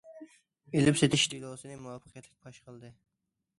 ئېلىپ- سېتىش دېلوسىنى مۇۋەپپەقىيەتلىك پاش قىلدى.